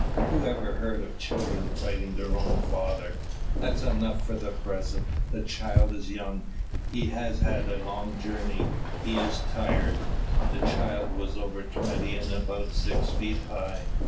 "Who ever heard of children fighting their own father? That's enough for the present; the child is young, he has had a long journey, he is tired." The child was over twenty, and about six feet high.